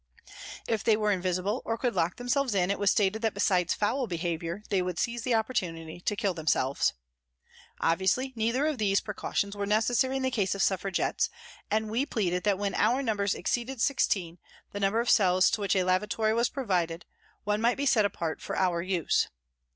If they were invisible or could lock themselves in, it was stated that besides foul behaviour they would seize the opportunity to kill themselves. Obviously neither of these pre cautions were necessary in the case of Suffragettes, and we pleaded that when our numbers exceeded sixteen, the number of cells to which a lavatory was provided, one might be set apart for our use.